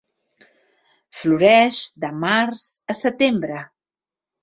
Floreix de març a setembre.